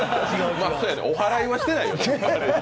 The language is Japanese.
おはらいはしてないよ。